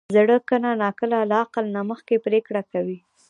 زړه کله ناکله له عقل نه مخکې پرېکړه کوي.